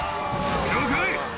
了解！